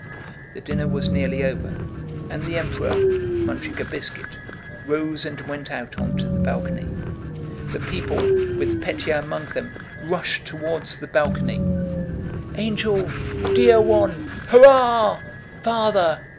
The dinner was nearly over, and the Emperor, munching a biscuit, rose and went out onto the balcony. The people, with Pétya among them, rushed toward the balcony. "Angel! Dear one! Hurrah! Father!..."